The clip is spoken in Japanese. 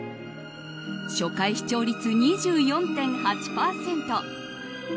初回視聴率２４．８％